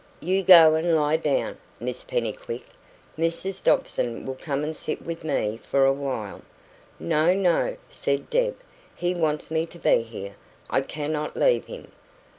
"You go and lie down, Miss Pennycuick. Mrs Dobson will come and sit with me for a while." "No, no," said Deb. "He wants me to be here. I cannot leave him."